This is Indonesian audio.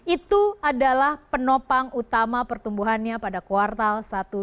itu adalah penopang utama pertumbuhannya pada kuartal satu dua ribu